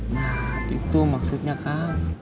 nah itu maksudnya kang